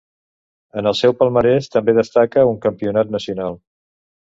En el seu palmarès també destaca un campionat nacional.